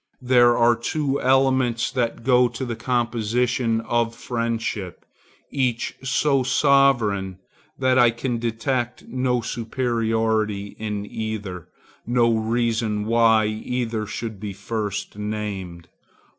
There are two elements that go to the composition of friendship, each so sovereign that I can detect no superiority in either, no reason why either should be first named.